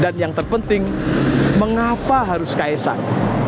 dan yang terpenting mengapa harus kaesang